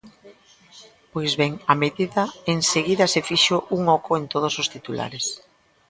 Pois ben, a medida enseguida se fixo un oco en todos os titulares.